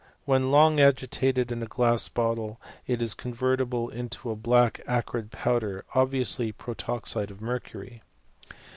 When long agitated in a glass bottle it is con vertible into a black acrid powder, obviously protoxide of mercury.